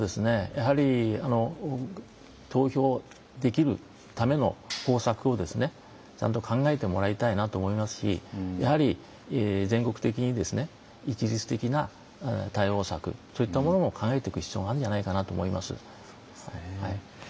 やはり投票できるための方策をちゃんと考えてもらいたいなと思いますしやはり、全国的に一律的な対応策そういったものを考えていく必要があるんじゃないかなと思います。